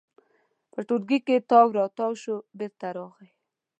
په ټولګي کې تاو راتاو شو، بېرته راغی.